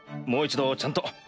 もう一度ちゃんと。